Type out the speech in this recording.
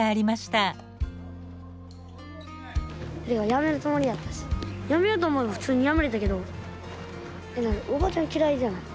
やめるつもりやったしやめようと思えば普通にやめれたけどでもおばちゃん嫌いじゃない。